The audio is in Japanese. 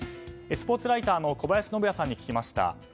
スポーツライターの小林信也さんに聞きました。